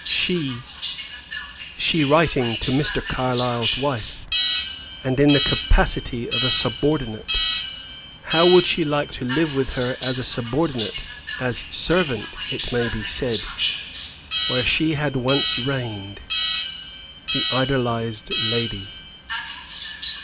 She she writing to Mr. Carlyle's wife! And in the capacity of a subordinate! How would she like to live with her as a subordinate, as servant it may be said where she had once reigned, the idolized lady?